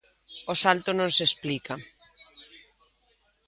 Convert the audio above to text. O salto non se explica.